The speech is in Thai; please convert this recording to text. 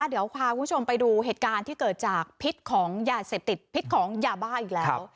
เดี๋ยวพาคุณผู้ชมไปดูเหตุการณ์ที่เกิดจากพิษของยาเสพติดพิษของยาบ้าอีกแล้ว